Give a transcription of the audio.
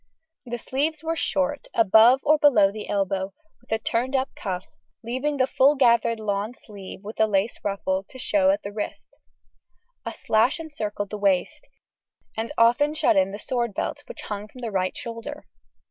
The sleeves were short, above or below the elbow, with a turned up cuff, leaving the full gathered lawn sleeve with a lace ruffle to show at the wrist. A sash encircled the waist, and often shut in the sword belt, which hung from the right shoulder.